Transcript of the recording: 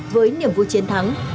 với niềm vui chiến thắng